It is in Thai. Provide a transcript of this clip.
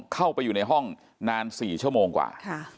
เข้าไปอยู่ในห้องนาน๔ชั่วโมงกว่า